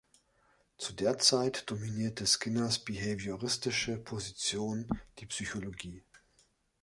Zu der Zeit dominierte Skinners behavioristische Position die Psychologie.